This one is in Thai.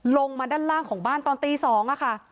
ลงมาด้านล่างของบ้านตอนตี๒ค่ะ